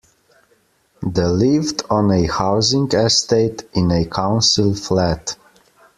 The lived on a housing estate, in a council flat